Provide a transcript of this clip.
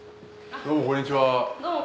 どうもこんにちは。